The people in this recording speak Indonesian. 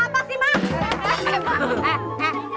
mak kenapa sih mak